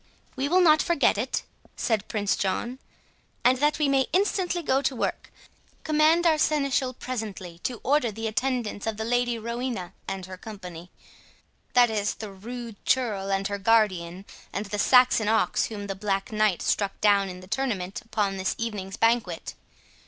"We will not forget it," said Prince John; "and that we may instantly go to work, command our seneschal presently to order the attendance of the Lady Rowena and her company—that is, the rude churl her guardian, and the Saxon ox whom the Black Knight struck down in the tournament, upon this evening's banquet.